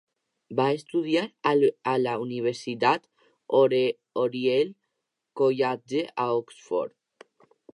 Va estudiar a la Universitat Oriel College, a Oxford.